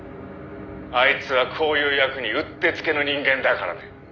「あいつはこういう役にうってつけの人間だからね」